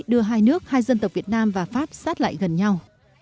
đưa hai nước hai dân tộc việt nam và pháp sát lại gần nhau